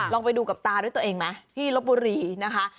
ลองไปดูกับตาด้วยตัวเองไหมที่ลบบุรีนะคะ